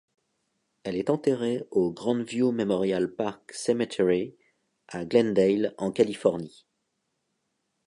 Elle est enterrée au Grand View Memorial Park Cemetery à Glendale, en Californie.